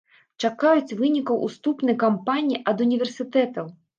Чакаюць вынікаў уступнай кампаніі ад універсітэтаў.